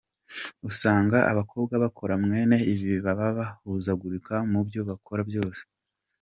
Usanga abakobwa bakora mwene ibi baba bahuzagurika mubyo bakora byose.